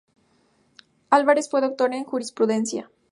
Álvarez fue doctor en Jurisprudencia.